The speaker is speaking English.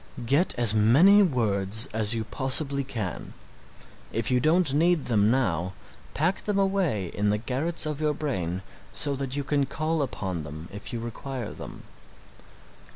Get as many words as you possibly can if you don't need them now, pack them away in the garrets of your brain so that you can call upon them if you require them.